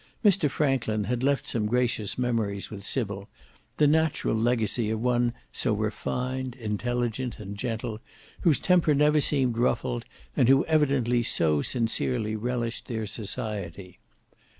Mr Franklin had left some gracious memories with Sybil; the natural legacy of one so refined, intelligent, and gentle, whose temper seemed never ruffled, and who evidently so sincerely relished their society.